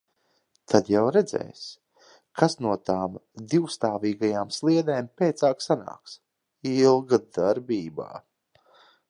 Tad jau redzēs, kas no tām divstāvīgajām sliedēm pēcāk sanāks. Ilga darbībā.